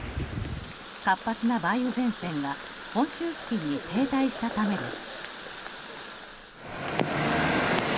活発な梅雨前線が本州付近に停滞したためです。